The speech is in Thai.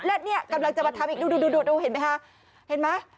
แล้วนี่กำลังจะมาทำอีกดูเห็นไหมค่ะ